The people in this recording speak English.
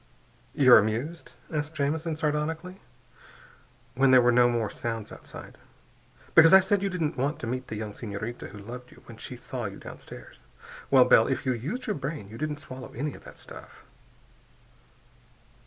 "You're amused?" asked Jamison sardonically, when there were no more sounds outside. "Because I said you didn't want to meet the young senorita who loved you when she saw you downstairs? Well, Bell, if you used your brain you didn't swallow any of that stuff."